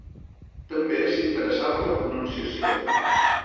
També s'interessà per la pronunciació.